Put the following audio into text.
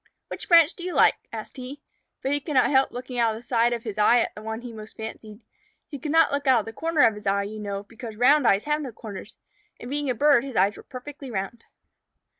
"Which branch do you like?" asked he. But he could not help looking out of the side of his eye at the one he most fancied. He could not look out of the corner of his eye, you know, because round eyes have no corners, and being a bird his eyes were perfectly round.